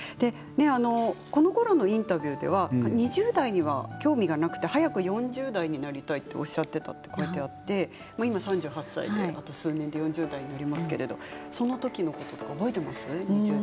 このころのインタビューでは２０代には興味がなくて早く４０代になりたいとおっしゃっていたと書いていて今３８歳であと数年で４０代になりますけれどその時のこととか覚えていますか。